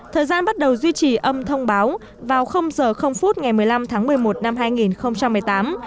thời gian bắt đầu duy trì âm thông báo vào h ngày một mươi năm tháng một mươi một năm hai nghìn một mươi tám